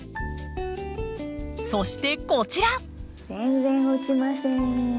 そしてこちら。